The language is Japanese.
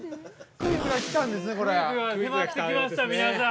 ◆クイズが迫ってきました皆さん。